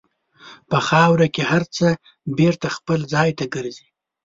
په خاوره کې هر څه بېرته خپل ځای ته ګرځي.